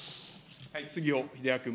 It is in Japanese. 杉尾秀哉君。